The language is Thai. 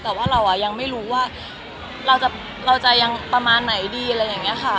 แต่ว่าเรายังไม่รู้ว่าเราจะยังประมาณไหนดีอะไรอย่างนี้ค่ะ